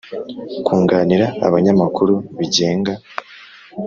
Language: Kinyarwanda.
kunganira abanyamakuru bigenga